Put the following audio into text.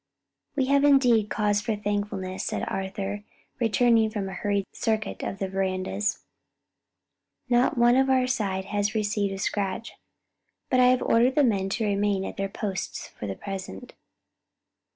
"We have indeed cause for thankfulness," said Arthur, returning from a hurried circuit of the verandas, "not one on our side has received a scratch. But I have ordered the men to remain at their posts for the present."